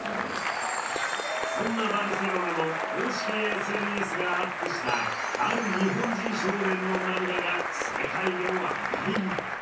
そんなバルセロナの公式ＳＮＳがアップしたある日本人少年の涙が世界で話題に。